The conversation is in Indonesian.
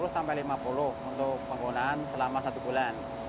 rata rata antara dua puluh lima puluh untuk penggunaan selama satu bulan